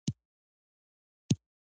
د ولسوالۍ د زراعت مدیر پیژنئ؟